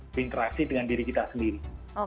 berinteraksi dengan diri kita sendiri